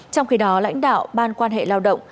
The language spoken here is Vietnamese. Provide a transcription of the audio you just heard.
trong khi đó lãnh đạo ban quan hệ lao động